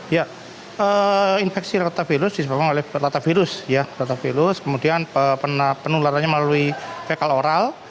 ya infeksi rotavirus disebabkan oleh rotavirus ya rotavirus kemudian penularannya melalui fekal oral